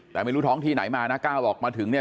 แต่ไม่รู้ท้องที่ไหนมานะก้าวบอกมาถึงเนี่ย